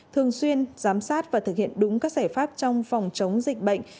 thường xuyên giám sát và thực hiện đúng các giải pháp trong phòng chống dịch bệnh